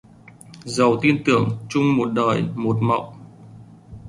Dầu tin tưởng chung một đời, một mộng